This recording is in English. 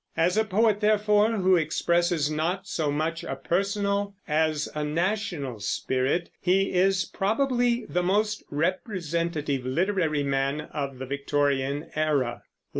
As a poet, therefore, who expresses not so much a personal as a national spirit, he is probably the most representative literary man of the Victorian era.